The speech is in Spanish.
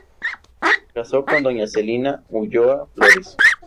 Casó con doña Celina Ulloa Flores.